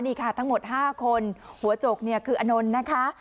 นี่ค่ะทั้งหมด๕คนหัวจกเนี่ยคืออนนท์นะคะ